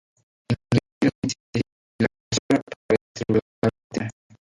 Inhibe la síntesis y la reparación de la pared celular bacteriana.